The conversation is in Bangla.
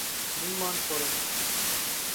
নির্মাণ করেন।